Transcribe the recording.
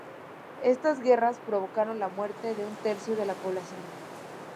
Estas guerras provocaron la muerte de un tercio de la población.